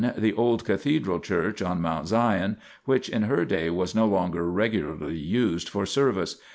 The old Cathedral Church on Mount Sion, which in her day was no longer regularly used for service.